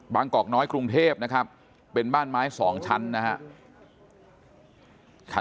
กอกน้อยกรุงเทพนะครับเป็นบ้านไม้๒ชั้นนะครับ